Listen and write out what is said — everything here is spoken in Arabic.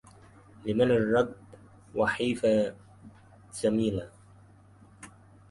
لمن الركب وحيفا وذميلا